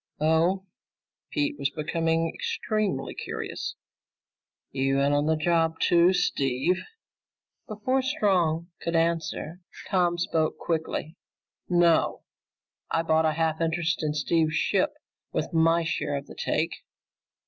"Oh?" Pete was becoming extremely curious. "You in on the job too, Steve?" Before Strong could answer, Tom spoke quickly. "No, I bought a half interest in Steve's ship with my share of the take."